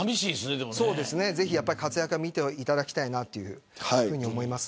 ぜひ活躍は見ていただきたいなと思います。